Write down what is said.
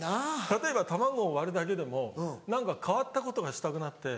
例えば卵を割るだけでも何か変わったことがしたくなって。